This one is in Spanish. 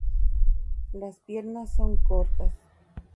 Las piernas son cortas.